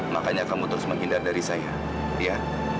makanya kamu terus menghindar dari saya ya